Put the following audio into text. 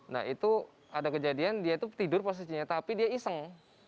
nah itu ada kejadian dia itu tidur posisinya tapi dia iseng